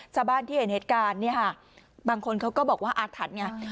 ชาวบ้านที่เห็นเหตุการณ์บางคนเขาก็บอกว่าอาทัตริย์